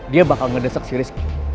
dia bakal ngedesak si rizky